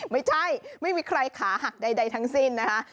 ไม่ใช่ไม่มีใครขาหักใดทั้งสิ้นนะคะ